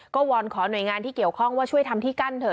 ก็วอนขอหน่วยงานที่เกี่ยวข้องว่าช่วยทำที่กั้นเถ